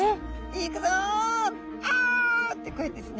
「行くぞ！あっ！」てこうやってですね。